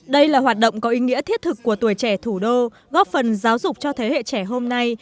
đây là hoạt động có ý nghĩa thiết thực của tuổi trẻ thủ đô góp phần giáo dục cho thế hệ trẻ hôm nay